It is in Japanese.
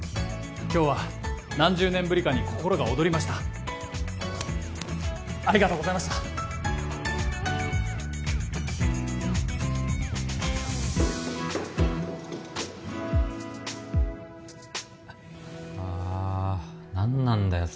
今日は何十年ぶりかに心が躍りましたありがとうございましたあ何なんだよ